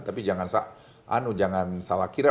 tapi jangan salah kira